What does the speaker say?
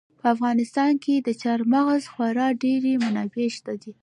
په افغانستان کې د چار مغز خورا ډېرې منابع شته دي.